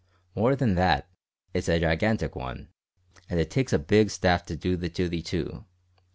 More than that, it's a gigantic one, and it takes a big staff to do the duty too.